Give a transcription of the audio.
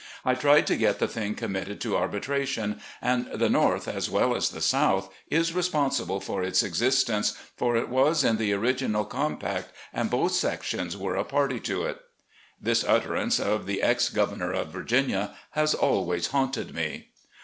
I tried to get the thing committed to arbitration, and the North, as well as the South, is responsible for its existence, for it was in the original compact, and both sections were a party to it." This utterance of the Ex Governor of Virginia has always haunted me.